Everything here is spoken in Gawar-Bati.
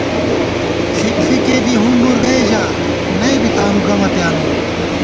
ݪِک ݪِکےدی ہُمبُور گئ ژا ، نئ بی تانُو گمہ پیانُم